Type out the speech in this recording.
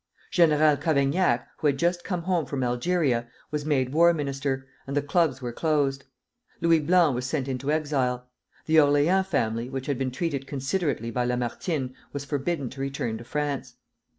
General Cavaignac, who had just come home from Algeria, was made War Minister, and the clubs were closed. Louis Blanc was sent into exile. The Orleans family, which had been treated considerately by Lamartine, was forbidden to return to France.